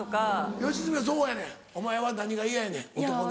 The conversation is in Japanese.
吉住はどうやねんお前は何が嫌やねん男の。